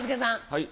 はい。